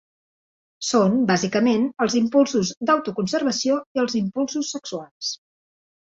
Són, bàsicament, els impulsos d'autoconservació i els impulsos sexuals.